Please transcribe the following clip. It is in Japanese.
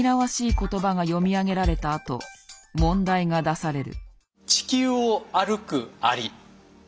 言葉が読み上げられたあと問題が出される。